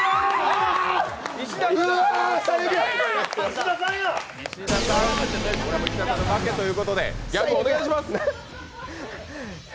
石田さん、負けということでギャグをお願いします。